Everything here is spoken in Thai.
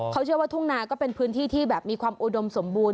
เขาเชื่อว่าทุ่งนาก็เป็นพื้นที่ที่แบบมีความอุดมสมบูรณ